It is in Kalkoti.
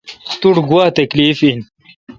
تو ٹھ گوا تکلیف این؟